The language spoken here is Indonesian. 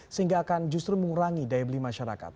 sehingga akan justru mengurangi daya beli masyarakat